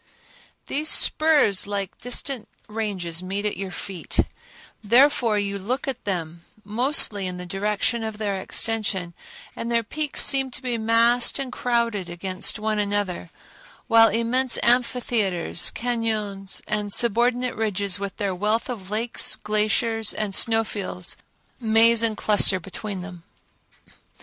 These spurs like distinct ranges meet at your feet; therefore you look at them mostly in the direction of their extension, and their peaks seem to be massed and crowded against one another, while immense amphitheaters, cañons and subordinate ridges with their wealth of lakes, glaciers, and snow fields, maze and cluster between them.